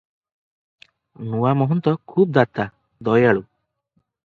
ନୂଆ ମହନ୍ତ ଖୁବ୍ ଦାତା, ଦୟାଳୁ ।